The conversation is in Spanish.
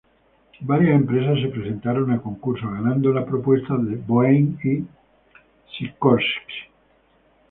Varias empresas se presentaron a concurso, ganando la propuesta de Boeing y Sikorsky.